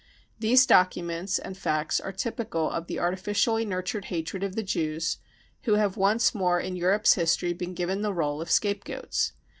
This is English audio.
These documents and facts are typical of the artificially nurtured hatred of the Jews, who have once more in Europe 5 s history been given the role of scapegoats.